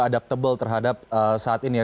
katalis yang adaptable terhadap saat ini ya